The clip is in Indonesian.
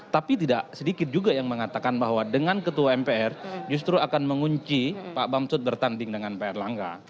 tapi tidak sedikit juga yang mengatakan bahwa dengan ketua mpr justru akan mengunci pak bamsud bertanding dengan pak erlangga